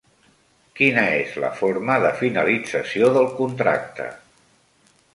Quina és la forma de finalització del contracte?